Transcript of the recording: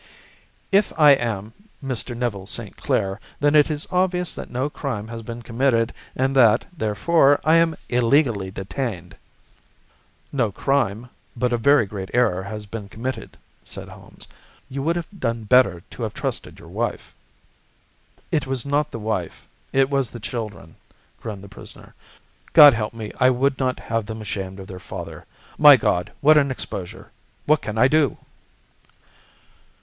"If I am Mr. Neville St. Clair, then it is obvious that no crime has been committed, and that, therefore, I am illegally detained." "No crime, but a very great error has been committed," said Holmes. "You would have done better to have trusted your wife." "It was not the wife; it was the children," groaned the prisoner. "God help me, I would not have them ashamed of their father. My God! What an exposure! What can I do?"